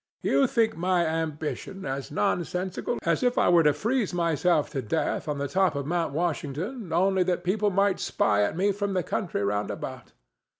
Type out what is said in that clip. "You think my ambition as nonsensical as if I were to freeze myself to death on the top of Mount Washington only that people might spy at me from the country roundabout.